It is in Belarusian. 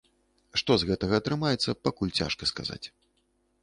Што з гэтага атрымаецца, пакуль цяжка сказаць.